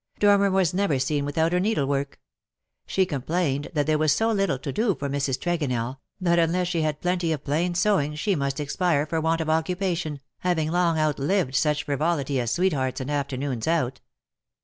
Dormer was never seen without her needlework. She com plained that there was so little to do for Mrs. Tregonell that unless she had plenty of plain sewing she must expire for want of occupation, having long outlived such frivolity as sweethearts and afternoons out.